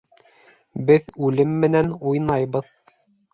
Беҙ үлем менән уйнайбыҙ.